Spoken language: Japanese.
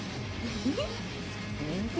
フフフッ。